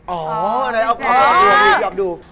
อ๋ออะไรออกไปอีกออกไปอีกออกไปอีก